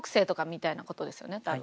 みたいなことですよね多分。